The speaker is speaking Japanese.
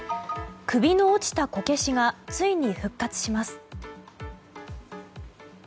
首の落ちたこけしがついに復活します。